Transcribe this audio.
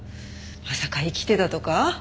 まさか生きてたとか？